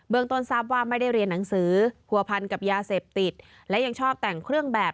เบื้องตนทรัพย์ว่าไม่ได้เรียนหนังสือ